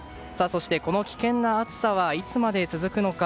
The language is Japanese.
そしてこの危険な暑さはいつまで続くのか。